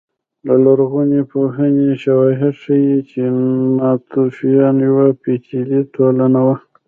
د لرغونپوهنې شواهد ښيي چې ناتوفیان یوه پېچلې ټولنه وه